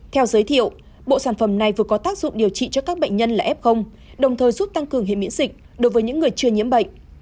theo giới thiệu bộ sản phẩm này vừa có tác dụng điều trị cho các bệnh nhân là f đồng thời giúp tăng cường hệ miễn dịch đối với những người chưa nhiễm bệnh